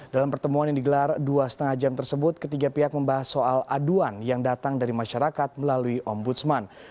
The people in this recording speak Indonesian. dalam pertemuan yang digelar dua lima jam tersebut ketiga pihak membahas soal aduan yang datang dari masyarakat melalui ombudsman